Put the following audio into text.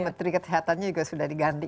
menteri kesehatannya juga sudah diganti